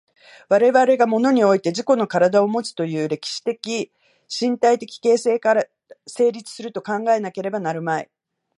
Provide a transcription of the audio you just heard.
我々が物において自己の身体をもつという歴史的身体的形成から成立すると考えなければなるまい。